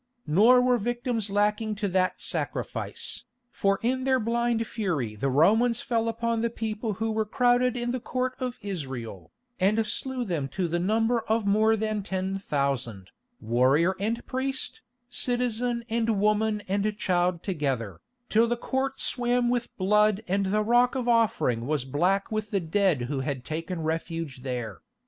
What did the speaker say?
Nor were victims lacking to that sacrifice, for in their blind fury the Romans fell upon the people who were crowded in the Court of Israel, and slew them to the number of more than ten thousand, warrior and priest, citizen and woman and child together, till the court swam with blood and the Rock of Offering was black with the dead who had taken refuge there.